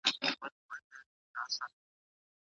بل به څوک وي